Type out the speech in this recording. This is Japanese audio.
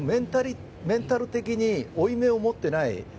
メンタル的に負い目を持ってない。